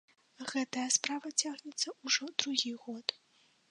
Гэтая справа цягнецца ўжо другі год.